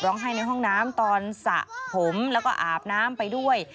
ให้ในห้องน้ำตอนสระผมแล้วก็อาบน้ำไปด้วย